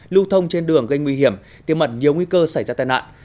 lưu thông trên đường gây nguy hiểm tiêm mật nhiều nguy cơ xảy ra tai nạn